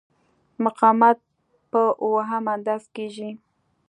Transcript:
مقاومت په اوهم اندازه کېږي.